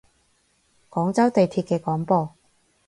廣州地鐵嘅廣播